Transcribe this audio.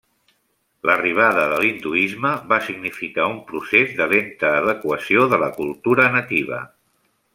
L'arribada de l'hinduisme va significar un procés de lenta adequació de la cultura nativa.